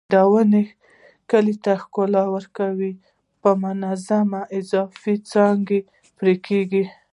د ونې کلي شکل ته د ښکلا ورکولو په منظور اضافي څانګې پرې کېږي.